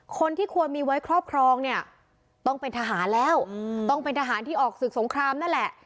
คนที่ควรมีไว้ครอบครองเนี่ยต้องเป็นทหารแล้วต้องเป็นทหารที่ออกศึกสงครามนั่นแหละ